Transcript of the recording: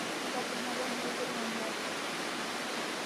یہ بات تمہارے اور میرے درمیان راز ہے